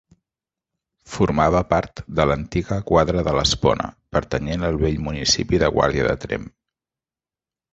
Formava part de l'antiga quadra de l'Espona, pertanyent al vell municipi de Guàrdia de Tremp.